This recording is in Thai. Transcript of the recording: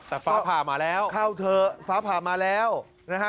แต่ฟ้าผ่ามาแล้วเข้าเถอะฟ้าผ่ามาแล้วนะฮะ